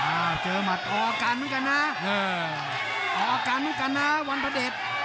เอ้าเจอหมัดหาออกานุกัณฑ์น่ะเออออกานุกัณฑ์น่ะวันพระเด็ด